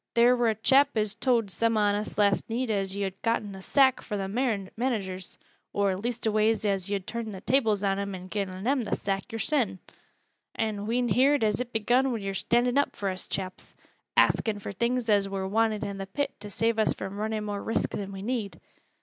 Theer wur a chap as towd some on us last neet as yo'd getten th' sack fro' th' managers or leastways as yo'd turned th' tables on 'em an' gi'en them th' sack yo'rsen. An' we'n heerd as it begun wi' yo're standin' up fur us chaps axin' fur things as wur wanted i' th' pit to save us fro' runnin' more risk than we need.